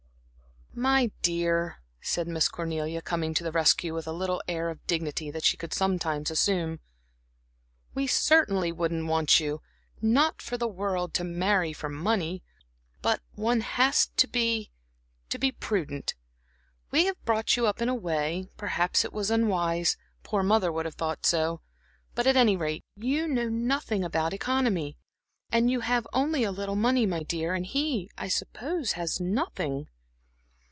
"My dear," said Miss Cornelia, coming to the rescue with the little air of dignity that she could sometimes assume "we certainly wouldn't want you not for the world to marry for money. But one has to be to be prudent. We have brought you up in a way perhaps it was unwise poor Mother would have thought so. But at any rate you know nothing about economy, and and you have only a little money, my dear, and he, I suppose, has nothing."